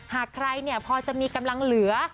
หากใครพอจะมีกำลังเหลือ